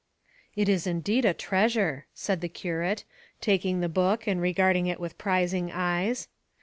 "It is indeed a treasure!" said the curate, taking the book and regarding it with prizing eyes.